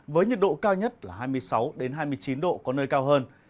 với nhiệt độ cao nhất là hai mươi sáu hai mươi chín độ có nơi cao hơn